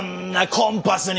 コンパスに？